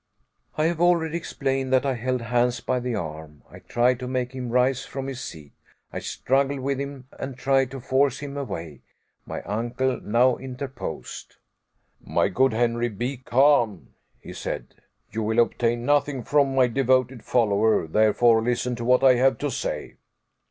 I have already explained that I held Hans by the arm. I tried to make him rise from his seat. I struggled with him and tried to force him away. My uncle now interposed. "My good Henry, be calm," he said. "You will obtain nothing from my devoted follower; therefore, listen to what I have to say."